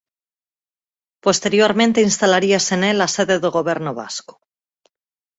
Posteriormente instalaríase nel a sede do Goberno Vasco.